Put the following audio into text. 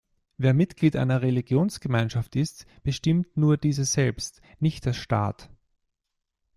Wer Mitglied einer Religionsgemeinschaft ist, bestimmt nur diese selbst, nicht der Staat.